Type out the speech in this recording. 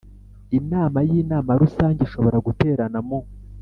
Inama y inama rusange ishobora guterana mu